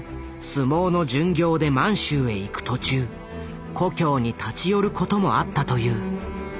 相撲の巡業で満州へ行く途中故郷に立ち寄ることもあったという。